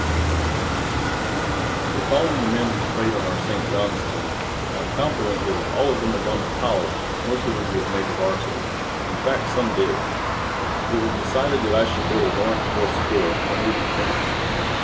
Dyer OLD YALE HEROES LEE McCLUNG'S TEAM] Recalling the men who played on our St. John's team, I am confident that if all of them had gone to college, most of them would have made the Varsity. In fact, some did. It was decided that I should go to Lawrenceville School, en route to Princeton.